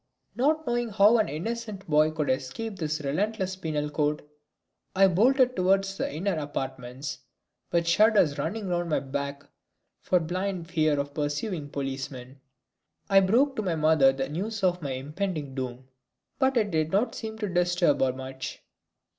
Not knowing how an innocent boy could escape this relentless penal code, I bolted towards the inner apartments, with shudders running down my back for blind fear of pursuing policemen. I broke to my mother the news of my impending doom, but it did not seem to disturb her much.